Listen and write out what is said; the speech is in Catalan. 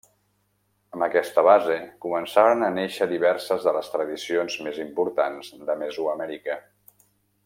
Amb aquesta base començaren a nàixer diverses de les tradicions més importants de Mesoamèrica.